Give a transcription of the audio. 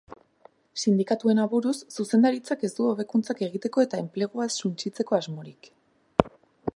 Sindikatuen aburuz, zuzendaritzak ez du hobekuntzak egiteko eta enplegua ez suntsitzeko asmorik.